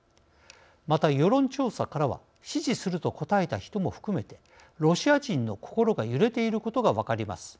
また、世論調査からは支持すると答えた人も含めてロシア人の心が揺れていることが分かります。